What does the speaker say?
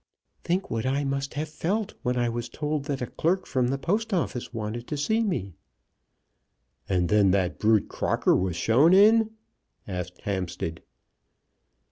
"Think what I must have felt when I was told that a clerk from the Post Office wanted to see me!" "And then that brute Crocker was shown in?" asked Hampstead.